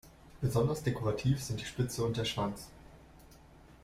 Besonders dekorativ sind die Spitze und der Schwanz.